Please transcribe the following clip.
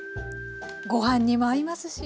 ご飯にも合いますし。